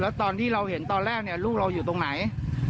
แล้วตอนที่เราเห็นตอนแรกลูกเราอยู่ตรงไหน